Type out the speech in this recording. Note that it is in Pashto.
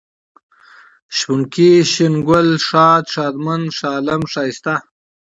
شپونکی ، شين گل ، ښاد ، ښادمن ، ښالم ، ښايسته